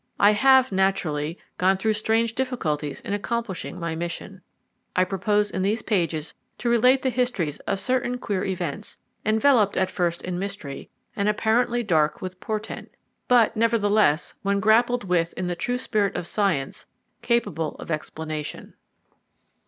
I have, naturally, gone through strange difficulties in accomplishing my mission. I propose in these pages to relate the histories of certain queer events, enveloped at first in mystery, and apparently dark with portent, but, nevertheless, when grappled with in the true spirit of science, capable of explanation.